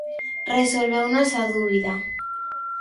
Resolveunos a dúbida.